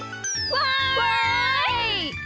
わい！